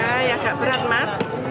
ya agak berat mas